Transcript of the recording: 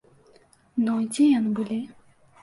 Ну, і дзе яны былі?